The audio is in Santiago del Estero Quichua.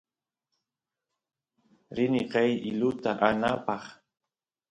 rini qeey iluta aanapaq